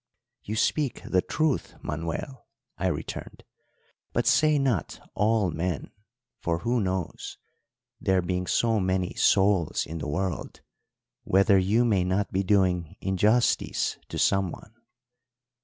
"'You speak the truth, Manuel,' I returned; 'but say not all men, for who knows there being so many souls in the world whether you may not be doing injustice to someone.'